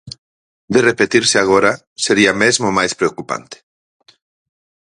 De repetirse agora, sería mesmo máis preocupante.